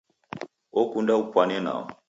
Okunda upwane nao.